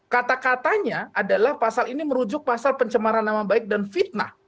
kata katanya adalah pasal ini merujuk pasal pencemaran nama baik dan fitnah